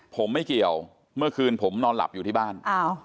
ผมไม่เกี่ยวเมื่อคืนผมนอนหลับอยู่ที่บ้าน